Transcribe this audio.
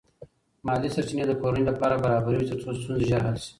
مالی سرچینې د کورنۍ لپاره برابرېږي ترڅو ستونزې ژر حل شي.